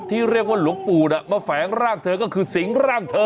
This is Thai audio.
ที่เรียกว่าหลวงปู่น่ะมาแฝงร่างเธอก็คือสิงร่างเธอ